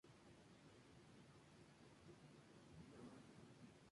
Por ejemplo, un plano urbano es la representación de una ciudad.